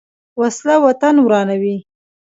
وسله وطن ورانوي